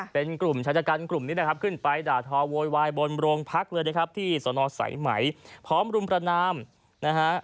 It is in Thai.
เป็นกลุ่มชายจัดการกลุ่มนี้แหละครับขึ้นไปด่าทอโวยวายบนโรงพักเลยนะครับที่สนสายไหมพร้อมรุมประนามนะฮะ